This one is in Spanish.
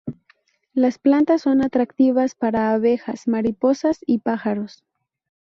Las plantas son atractivas para abejas, mariposas y pájaros.